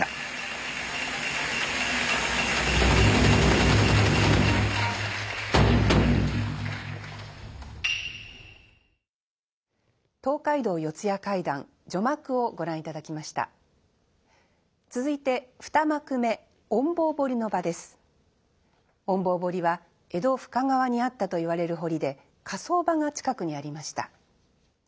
「隠亡堀」は江戸深川にあったといわれる堀で火葬場が近くにありました。